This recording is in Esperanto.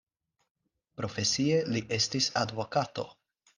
Profesie li estis advokato.